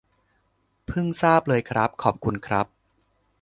เพิ่งทราบเลยครับ ขอบคุณครับ